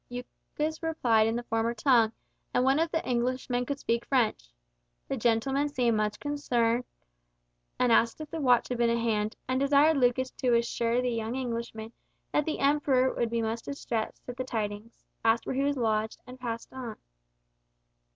Lucas replied in the former tongue, and one of the Englishmen could speak French. The gentleman seemed much concerned, asked if the watch had been at hand, and desired Lucas to assure the young Englishman that the Emperor would be much distressed at the tidings, asked where he was lodged, and passed on.